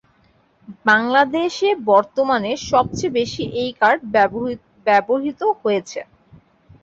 বাংলাদেশে বর্তমানে সবচেয়ে বেশি এই কার্ড ব্যবহৃত হচ্ছে।